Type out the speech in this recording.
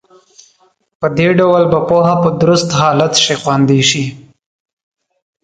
په دې ډول به پوهه په درست حالت کې خوندي شي.